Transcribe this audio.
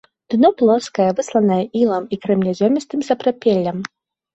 Дно плоскае, высланае ілам і крэменязёмістым сапрапелем.